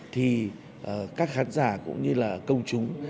thì các khán giả cũng như là công chúng